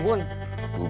bubun sudah dihajar